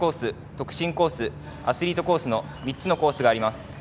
特進コース、アスリートコースの３つのコースがあります。